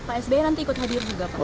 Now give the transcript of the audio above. pak sby nanti ikut hadir juga pak